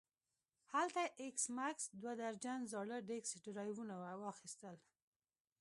هلته ایس میکس دوه درجن زاړه ډیسک ډرایوونه واخیستل